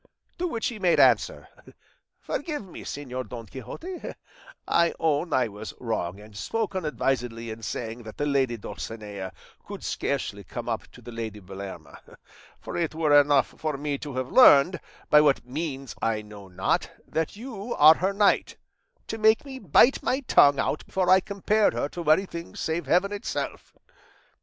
To which he made answer, 'Forgive me, Señor Don Quixote; I own I was wrong and spoke unadvisedly in saying that the lady Dulcinea could scarcely come up to the lady Belerma; for it were enough for me to have learned, by what means I know not, that you are her knight, to make me bite my tongue out before I compared her to anything save heaven itself.